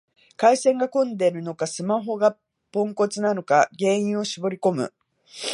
回線が混んでるのか、スマホがポンコツなのか原因を絞りこむ